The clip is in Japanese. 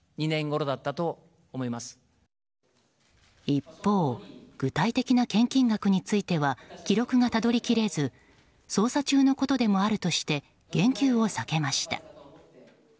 一方具体的な献金額については記録がたどり切れず捜査中のことでもあるとして言及を避けました。